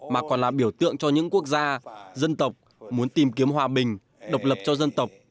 mà còn là biểu tượng cho những quốc gia dân tộc muốn tìm kiếm hòa bình độc lập cho dân tộc